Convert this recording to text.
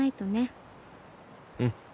うん。